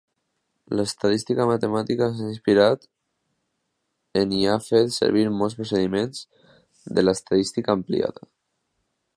L'estadística matemàtica s'ha inspirat en i ha fet servir molts procediments de l'estadística aplicada.